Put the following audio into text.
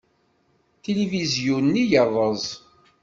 Tilivizyu-nni yerreẓ.